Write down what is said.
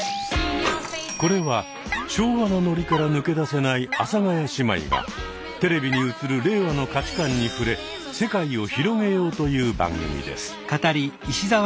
これは昭和なノリから抜け出せない阿佐ヶ谷姉妹がテレビに映る令和の価値観に触れ世界を広げようという番組です。